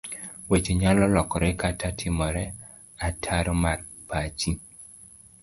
Weche nyalo lokore kata timore otaro mar pachi.